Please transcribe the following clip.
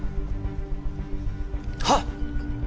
はっ。